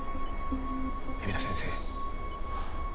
海老名先生。